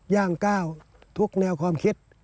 ย่างก้าวทุกแนวความคิด